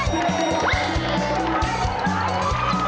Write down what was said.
น้ำแข็งใจหน่อย